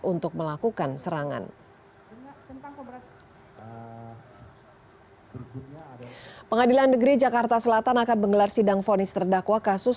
untuk melakukan serangan pengadilan negeri jakarta selatan akan menggelar sidang fonis terdakwa kasus